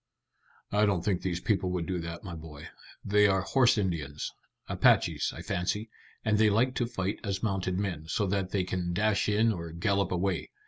"I don't think these people would do that, my boy. They are horse Indians Apaches, I fancy, and they like to fight as mounted men, so that they can dash in or gallop away.